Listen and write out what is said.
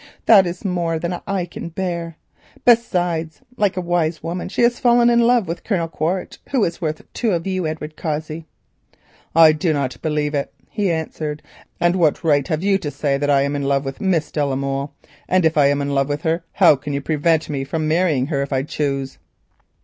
That is more than I can bear. Besides, like a wise woman, she wishes to marry Colonel Quaritch, who is worth two of you, Edward Cossey." "I do not believe it," he answered; "and what right have you to say that I am in love with Miss de la Molle? And if I am in love with her, how can you prevent me from marrying her if I choose?"